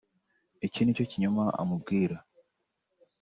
iki nicyo kinyoma amubwira